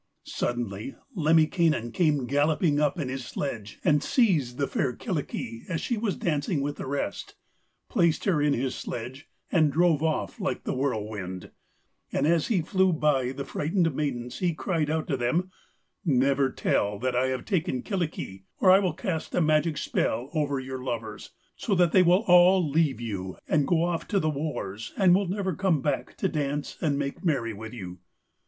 Suddenly Lemminkainen came galloping up in his sledge and seized the fair Kyllikki as she was dancing with the rest, placed her in his sledge, and drove off like the whirlwind, and as he flew by the frightened maidens he cried out to them: 'Never tell that I have taken Kyllikki, or I will cast a magic spell over your lovers, so that they will all leave you and go off to the wars and will never come back to dance and make merry with you.'